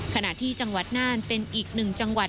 ขณะที่จังหวัดน่านเป็นอีกหนึ่งจังหวัด